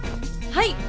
はい！